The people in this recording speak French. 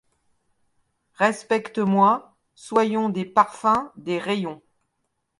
Respecte-moi. Soyons des parfums, des rayons !